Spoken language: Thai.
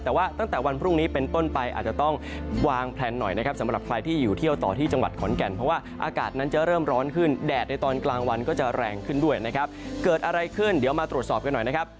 แต่ว่าตั้งแต่วันพรุ่งนี้เป็นต้นไปอาจจะต้องวางแพลนหน่อยนะครับสำหรับใครที่อยู่เที่ยวต่อที่จังหวัดขอนแก่นเพราะว่าอากาศนั้นจะเริ่มร้อนขึ้นแดดในตอนกลางวันก็จะแรงขึ้นด้วยนะครับเกิดอะไรขึ้นเดี๋ยวมาตรวจสอบกันหน่อยนะครับ